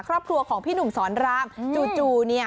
ครอบครัวของพี่หนุ่มสอนรามจู่เนี่ย